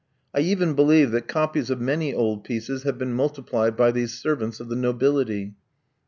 I even believe that copies of many old pieces have been multiplied by these servants of the nobility.